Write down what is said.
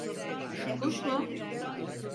Kuş mu?